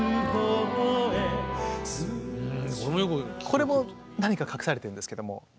これも何か隠されてるんですけども。